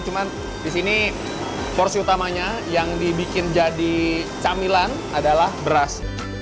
cuman di sini porsi utamanya yang dibikin jadi camilan adalah beras